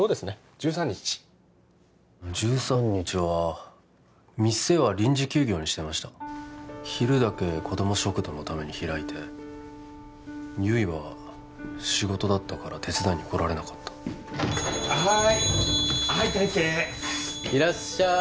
１３日１３日は店は臨時休業にしてました昼だけ子ども食堂のために開いて悠依は仕事だったから手伝いに来られなかったはい入って入って